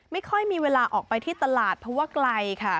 ไม่ค่อยมีเวลาออกไปที่ตลาดเพราะว่าไกลค่ะ